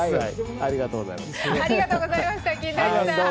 ありがとうございました金田一さん。